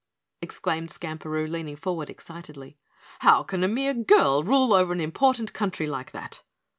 exclaimed Skamperoo, leaning forward excitedly. "How can a mere girl rule over an important country like that?"